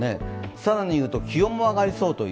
更に言うと気温も上がりそう。